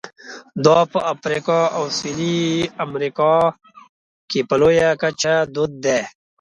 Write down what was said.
دا په افریقا او سوېلي امریکا کې په لویه کچه دود دي.